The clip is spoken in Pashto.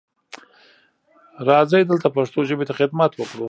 راځئ دلته پښتو ژبې ته خدمت وکړو.